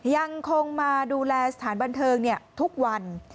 ยังคงมาดูแลสถานบันเทิงทุกวัน